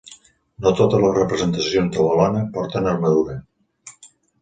No totes les representacions de Bel·lona porten armadura.